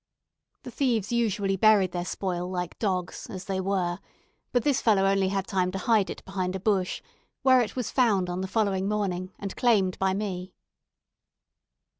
The thieves usually buried their spoil like dogs, as they were; but this fellow had only time to hide it behind a bush, where it was found on the following morning, and claimed by me.